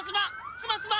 スマスマ！